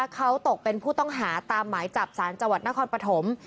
เขาตกเป็นผู้ต้องหาตามหมายจับสารจังหวัดนครปฐม